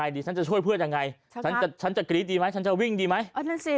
ดีฉันจะช่วยเพื่อนยังไงฉันจะกรี๊ดดีไหมฉันจะวิ่งดีไหม